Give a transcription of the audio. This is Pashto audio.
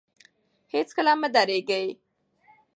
هېڅکله مه درېږئ.